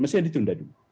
mestinya ditunda dulu